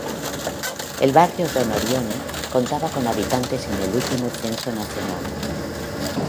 El barrio Don Orione contaba con habitantes en el último censo nacional.